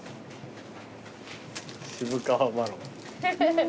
渋皮マロン。